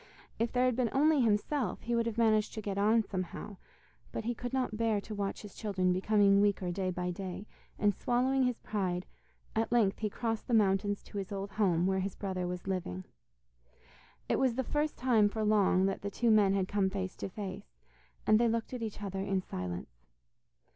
If there had been only himself, he would have managed to get on somehow, but he could not bear to watch his children becoming weaker day by day, and swallowing his pride, at length he crossed the mountains to his old home where his brother was living. It was the first time for long that the two men had come face to face, and they looked at each other in silence.